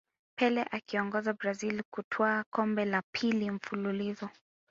pele akiiongoza brazil kutwaa kombe la pili mfululizo